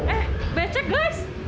eh becek guys